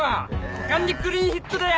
股間にクリーンヒットだよ！